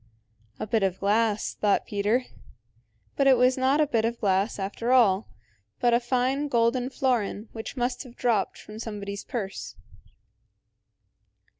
"A bit of glass," thought Peter. But it was not a bit of glass after all, but a fine golden florin which must have dropped from somebody's purse.